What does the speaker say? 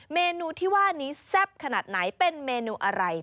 เมนูที่ว่านี้แซ่บขนาดไหนเป็นเมนูอะไร